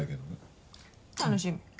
楽しみ。